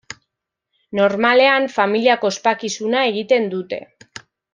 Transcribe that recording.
Normalean familiako ospakizuna egiten dute.